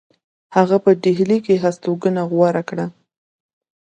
هغه په ډهلی کې هستوګنه غوره کړه.